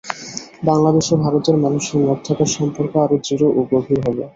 বাংলাদেশ ও ভারতের মানুষের মধ্যেকার সম্পর্ক আরও দৃঢ় ও গভীর হবে।